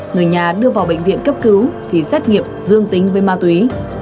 người nhà đưa vào bệnh viện cấp cứu thì xét nghiệm dương tính với ma túy